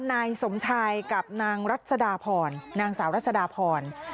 นายสมชายกับนางสาวรัสดาพร